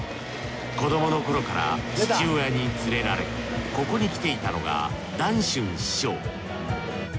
子どもの頃から父親に連れられここに来ていたのが談春師匠。